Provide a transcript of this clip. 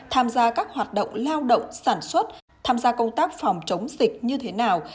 tham gia các hoạt động lao động sản xuất tham gia công tác phòng chống dịch như thế nào